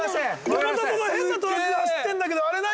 「山里の変なトラックが走ってんだけどあれ何？」